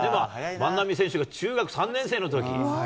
万波選手が中学３年生のとき。